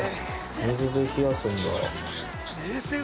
水で冷やすんだ。